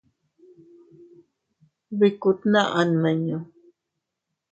Bikku tnaʼa nmiñu.